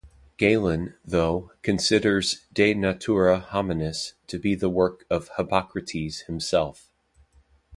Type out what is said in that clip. Galen, though, considers "De Natura Hominis" to be the work of Hippocrates himself.